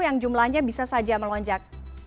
yang jumlahnya bisa saja melonjak